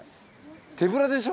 手ぶらでしょ？